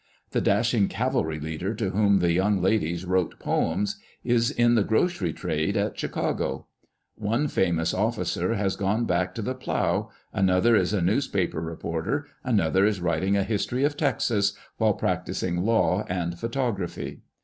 The dashing cavalry leader to whom the young ladies wrote poems, is in the grocery trade at Chicago. One famous officer has gone back to the plough, another is a newspaper re porter, another is writing a History of Texas, while practising law and photography.